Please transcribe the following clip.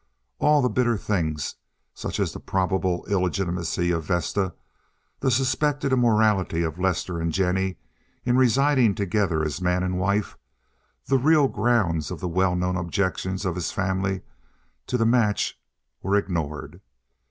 All the bitter things, such as the probable illegitimacy of Vesta, the suspected immorality of Lester and Jennie in residing together as man and wife, the real grounds of the well known objections of his family to the match, were ignored.